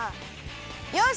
よし！